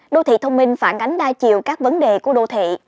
đô thị thông minh phản ánh đa chiều các vấn đề của đô thị